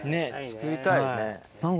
作りたいよね。